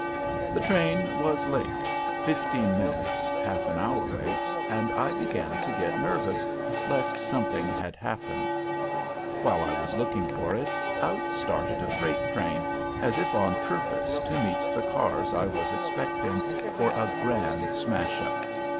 The train was late, fifteen minutes, half an hour late, and I began to get nervous, lest something had happened. While I was looking for it, out started a freight train, as if on purpose to meet the cars I was expecting, for a grand smash up.